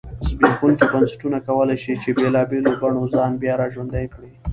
زبېښونکي بنسټونه کولای شي چې بېلابېلو بڼو ځان بیا را ژوندی کړی.